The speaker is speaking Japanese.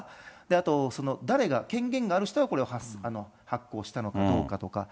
あと、誰が、権限がある人がこれを発行したのかどうかとか。